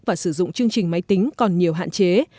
và sử dụng chương trình máy tính còn nhiều hạn chế